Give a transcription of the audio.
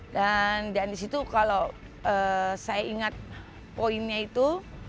dan disitu kalau saya ingat poinnya itu